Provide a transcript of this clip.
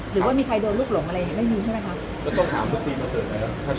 หรือว่ามีใครโดนลูกหลงอะไรไม่มีใช่ไหมคะแล้วก็ต้องถามทุกทีเมื่อเศิษฐ์นะครับ